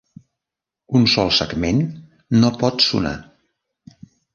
Un sol segment no pot sonar.